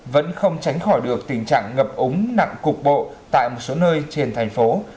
vẫn không tránh khỏi được tình trạng ngập úng nặng cục bộ tại một số nơi trên thành phố